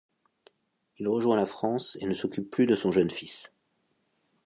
Il rejoint la France et ne s'occupe plus de son jeune fils.